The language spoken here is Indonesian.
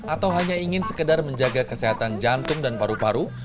atau hanya ingin sekedar menjaga kesehatan jantung dan paru paru